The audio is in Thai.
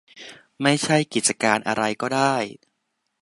ไม่ใช่กิจการอะไรก็ได้